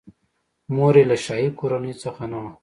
مور یې له شاهي کورنۍ څخه نه وه.